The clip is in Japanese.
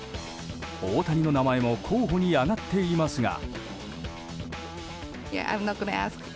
大谷の名前も候補に挙がっていますが。